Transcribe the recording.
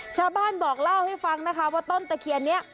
ชาวบ้านบอกเล่าให้ฟังนะคะว่าต้นตะเคียนนี้